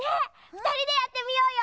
ふたりでやってみようよ！